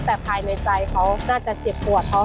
แต่ภายในใจเขาน่าจะเจ็บปวดเขา